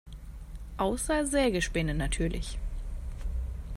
Außer Sägespäne natürlich.